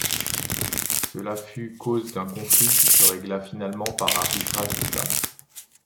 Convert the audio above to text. Cela fut cause d'un conflit qui se régla finalement par arbitrage du pape.